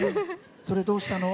それどうしたの？